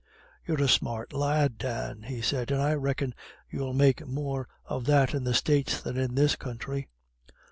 "You're a smart lad, Dan," he said, "and I reckon you'll make more of that in the States than in this country."